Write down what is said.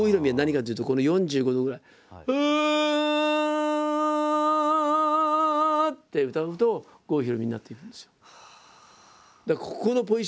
「ウ」って歌うと郷ひろみになっていくんですよ。